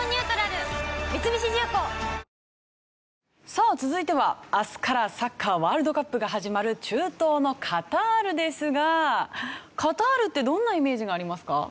さあ続いては明日からサッカーワールドカップが始まる中東のカタールですがカタールってどんなイメージがありますか？